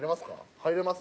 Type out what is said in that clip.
入れます？